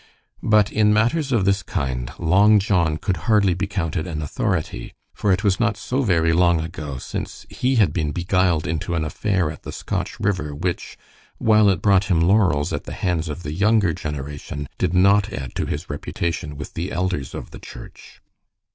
But in matters of this kind Long John could hardly be counted an authority, for it was not so very long ago since he had been beguiled into an affair at the Scotch River which, while it brought him laurels at the hands of the younger generation, did not add to his reputation with the elders of the church.